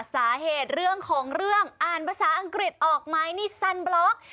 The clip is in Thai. นี่แหละค่ะสาเหตุเรื่องของเรื่องอ่านภาษาอังกฤษออกมานิสันบล็อก